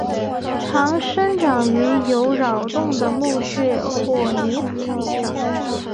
常生长于有扰动的木屑或泥土地上。